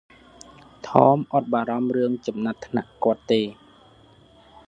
ថម អត់បារម្ភរឿងចំណាត់ថ្នាក់គាត់ទេ។